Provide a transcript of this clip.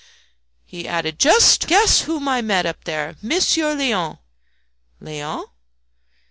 He added "Just guess whom I met up there! Monsieur Léon!" "Léon?"